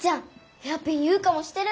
ヘアピン優花もしてる。